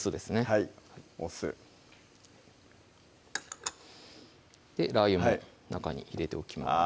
はいお酢ラー油も中に入れておきます